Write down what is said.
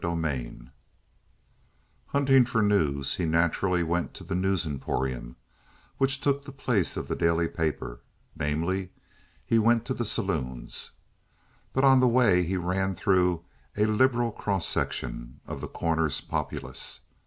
11 Hunting for news, he went naturally to the news emporium which took the place of the daily paper namely, he went to the saloons. But on the way he ran through a liberal cross section of The Corner's populace.